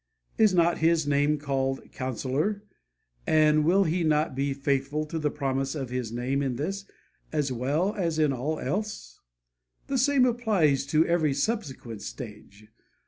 Is not His name called 'Counsellor'? and will He not be faithful to the promise of His name in this, as well as in all else? The same applies to every subsequent stage.